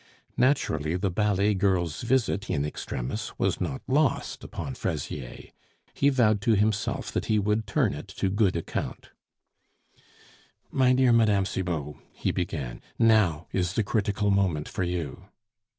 Naturally the ballet girl's visit in extremis was not lost upon Fraisier; he vowed to himself that he would turn it to good account. "My dear Mme. Cibot," he began, "now is the critical moment for you."